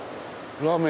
「ラーメン」。